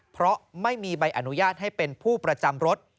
เพราะไม่มีใบอนุญาตให้เป็นผู้ประจำรถ